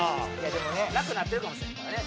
でもねなくなってるかもしれんからね